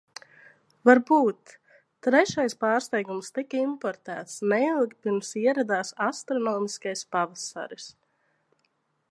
Varbūt. Trešais pārsteigums tika importēts, neilgi pirms ieradās astronomiskais pavasaris.